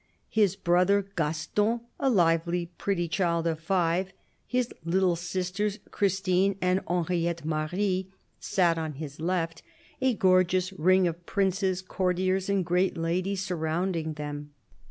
His brother Gaston, a lively, pretty child of five, his little sisters Christine and Henriette Marie, sat on his left ; a gorgeous ring of princes, courtiers and great ladies surrounded them.